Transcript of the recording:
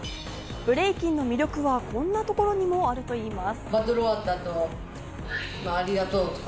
ブレイキンの魅力はこんなところにもあるといいます。